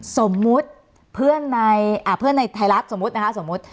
สมมุติเพื่อนในไทรลัศสมมุตินะครับ